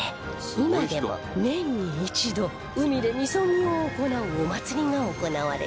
今でも年に一度海でみそぎを行うお祭りが行われています